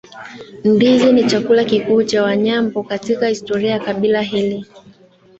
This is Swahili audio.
Ndizi ni Chakula kikuu cha Wanyambo katika Historia ya kabila hili